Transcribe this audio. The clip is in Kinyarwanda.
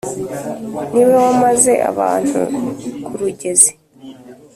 ni we wamaze abantu ku rugezi